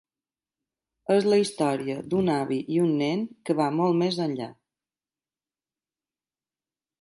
És la història d’un avi i un nen, que va molt més enllà.